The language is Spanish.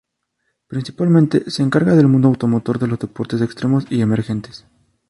Principalmente, se encarga del mundo automotor, de los deportes extremos y emergentes.